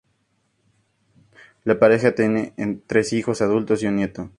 La pareja tiene tres hijos adultos y un nieto.